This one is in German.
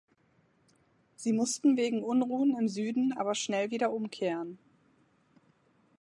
Sie mussten wegen Unruhen im Süden aber schnell wieder umkehren.